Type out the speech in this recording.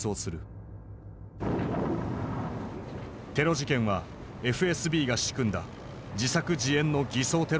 テロ事件はＦＳＢが仕組んだ自作自演の偽装テロだと証言したのだ。